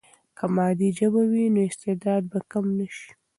که مادي ژبه وي، نو استعداد به کم نه سي.